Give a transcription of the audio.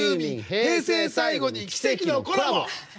平成最後に奇跡のコラボ！